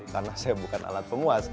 karena saya bukan alat pemuas